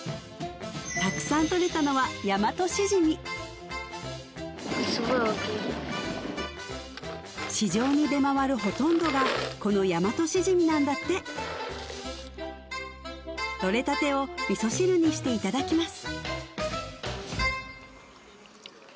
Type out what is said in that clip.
たくさんとれたのは市場に出回るほとんどがこのヤマトシジミなんだってとれたてを味噌汁にしていただきます